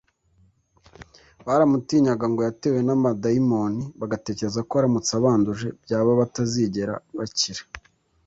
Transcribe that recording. baramutinyaga ngo yatewe n’amadayimoni bagatekereza ko aramutse abanduje byaba batazigera bakira